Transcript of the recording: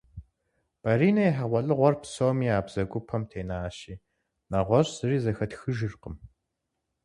Баринэ и хьэгъуэлӏыгъуэр псоми я бзэгупэм тенащи, нэгъуэщӏ зыри зэхэтхыжыркъым.